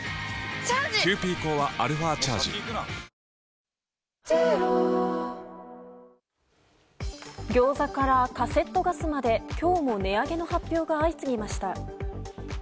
花王餃子からカセットガスまで今日も値上げの発表が相次ぎました。